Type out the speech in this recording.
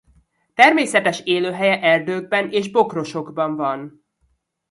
Természetes élőhelye erdőkben és bokrosokban van.